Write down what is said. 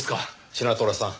シナトラさん。